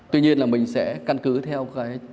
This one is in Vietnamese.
tuy nhiên là mình sẽ căn cứ theo cái